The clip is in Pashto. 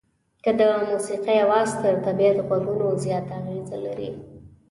که د موسيقۍ اواز تر طبيعت غږونو زیاته اغېزه لري.